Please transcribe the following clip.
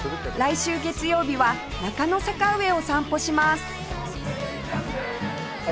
来週月曜日は中野坂上を散歩します